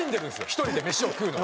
１人で飯を食うの。